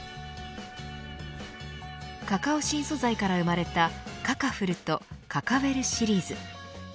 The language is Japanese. カカオ新素材から生まれたカカフルとカカウェルシリーズ。